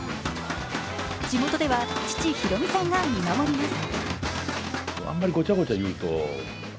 地元では父・博美さんが見守ります。